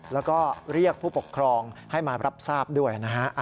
แล้วก็เรียกผู้ปกครองให้มารับทราบด้วยนะฮะ